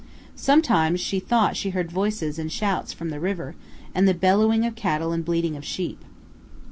Sometimes she thought she heard voices and shouts from the river, and the bellowing of cattle and bleating of sheep.